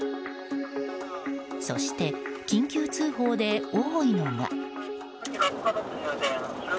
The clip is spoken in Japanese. そして、緊急通報で多いのが。